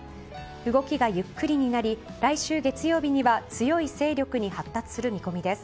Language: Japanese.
動きがゆっくりになり来週月曜日には強い勢力に発達する見込みです。